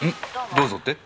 どうぞって？